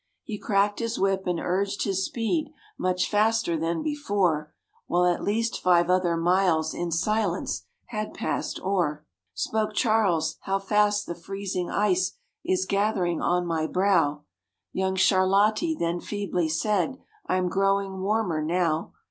He cracked his whip and urged his speed much faster than before, While at least five other miles in silence had passed o'er. Spoke Charles, "How fast the freezing ice is gathering on my brow!" Young Charlottie then feebly said, "I'm growing warmer now."